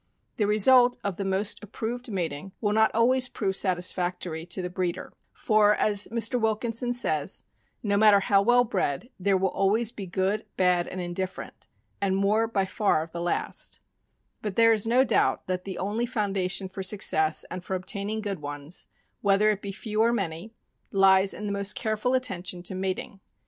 The result of the most approved mating will not always prove satisfactory to the breeder; for, as Mr. Wilkinson says, '' no matter how well bred, there will always be good, bad, and indifferent, and more by far of the last;" but there is no doubt that the only foundation for success and for obtaining good ones — whether it be few or many — lies in the most careful attention to mating.